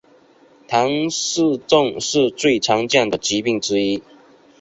唐氏症是最常见的疾病之一。